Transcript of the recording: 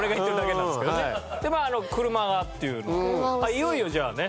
いよいよじゃあね。